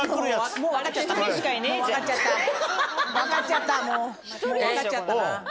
もうもう分かっちゃったな。